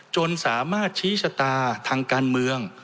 จนสามารถชี้ชะตาทางการเมือง